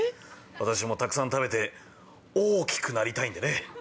私もたくさん食べて大きくなりたいんでね。